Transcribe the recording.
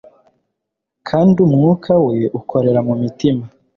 Kandi Umwuka we ukorera mu mitima